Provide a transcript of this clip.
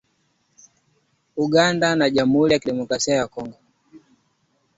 Uganda na Jamhuri ya Kidemokrasi ya Kongo